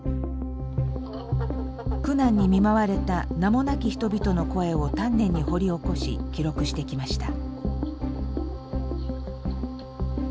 苦難に見舞われた名もなき人々の声を丹念に掘り起こし記録してきました。